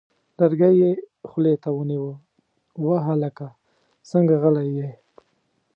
لرګی یې خولې ته ونیوه: وه هلکه څنګه غلی یې!؟